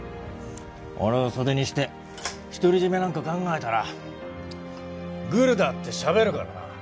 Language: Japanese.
俺を袖にして独り占めなんか考えたらグルだってしゃべるからな。